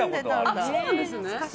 そうなんですね。